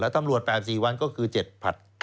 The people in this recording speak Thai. ตำรวจ๘๔วันก็คือ๗ผัด